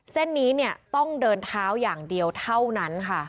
เส้นนี้เนี่ยต้องเดินเท้าอย่างเดียวเท่านั้นค่ะ